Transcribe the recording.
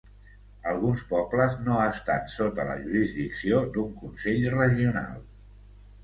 Alguns pobles no estan sota la jurisdicció d'un consell regional.